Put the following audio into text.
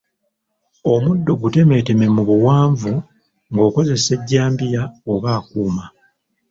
Omuddo gutemeeteme mu buwanvu ng’okozesa ejjambiya oba akuuma.